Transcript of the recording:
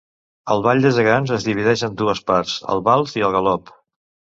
El ball de gegants es divideix en dues parts, el vals i el galop.